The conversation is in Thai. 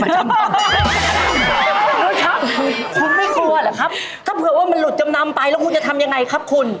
ถ้าเผื่อว่ามันหลุดจำนำไปแล้วคุณจะทำยังไงครับคุณ